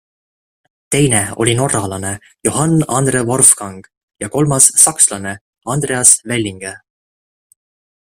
Teine oli norralane Johann Andre Forfang ja kolmas sakslane Andreas Wellinger.